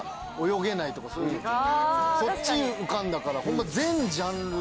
そっち浮かんだからホンマ。